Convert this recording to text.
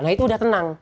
nah itu udah tenang